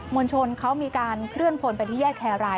วลชนเขามีการเคลื่อนพลไปที่แยกแครราย